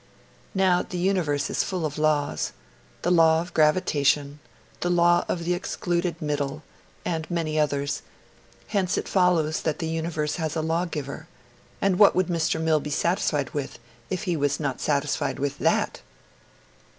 Now the Universe is full of laws the law of gravitation, the law of the excluded middle, and many others; hence it follows that the Universe has a law giver and what would Mr. Mill be satisfied with, if he was not satisfied with that?